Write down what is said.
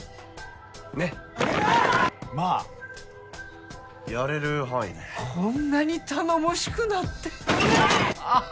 ねっまあやれる範囲でこんなに頼もしくなってああ